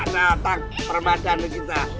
aduh datang permadana kita